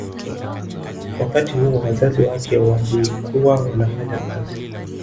Wakati huo wazazi wake walikuwa wanafanya kazi